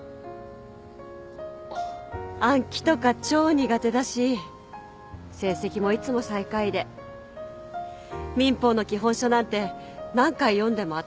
暗記とか超苦手だし成績もいつも最下位で民法の基本書なんて何回読んでも頭に入らなかった。